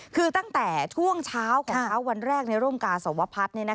คือตั้งแต่ช่วงเช้าของพระพุทธวันแรกโรมกาสวพัฒน์ในนะคะ